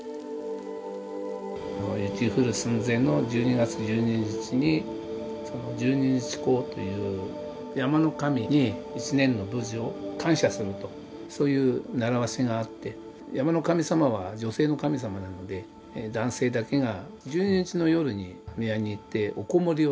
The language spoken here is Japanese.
雪降る寸前の１２月１２日に十二日講という山の神に一年の無事を感謝するとそういう習わしがあって山の神様は女性の神様なので男性だけが１２日の夜に宮に行ってお籠りをすると。